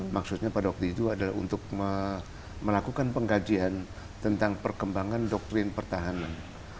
maksudnya pada waktu itu adalah untuk melakukan pengkajian tentang perkembangan doktrin pertahanan